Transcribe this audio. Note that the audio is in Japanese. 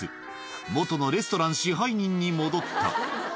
元のレストラン支配人に戻った。